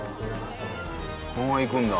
このまま行くんだ。